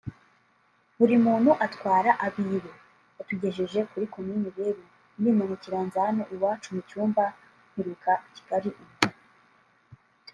Buri muntu atwara ab’iwe…batugejeje kuri Komini rero ndimanukira nza hano iwacu mu Cyumba…mperuka Kigali ubwo